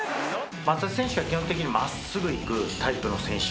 松田選手は基本的にまっすぐいくタイプの選手。